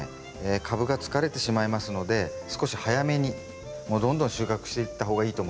株が疲れてしまいますので少し早めにもうどんどん収穫していった方がいいと思います。